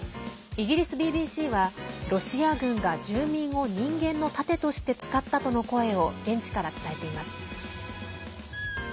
イギリスＢＢＣはロシア軍が住民を人間の盾として使ったとの声を現地から伝えています。